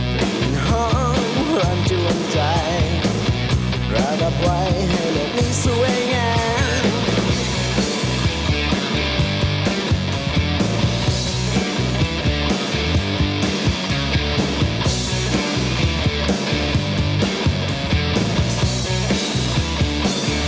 เปลี่ยนหอมร่ำจวนใจระบบไว้ให้เรื่องนี้สวยงาม